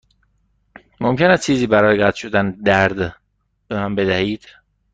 ممکن است چیزی برای قطع شدن درد به من بدهید؟